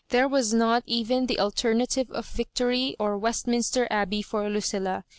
There was not even the alternative of victory or Westminster Abbey for Lucilla.